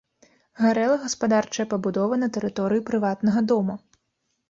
Гарэла гаспадарчая пабудова на тэрыторыі прыватнага дома.